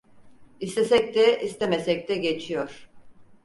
İstesek de, istemesek de geçiyor.